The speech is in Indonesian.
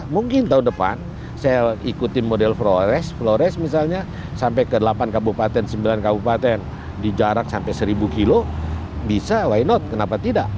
mungkin tahun depan saya ikutin model flores flores misalnya sampai ke delapan kabupaten sembilan kabupaten di jarak sampai seribu kilo bisa why not kenapa tidak